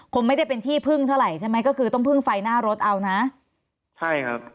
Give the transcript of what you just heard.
คงไม่ได้เป็นที่พึ่งเท่าไหร่ใช่ไหมก็คือต้องพึ่งไฟหน้ารถเอานะใช่ครับ